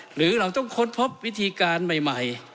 หรือเราต้องค้นพบวิธีการใหม่